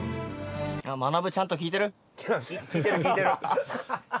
まなぶちゃんと聞いてる？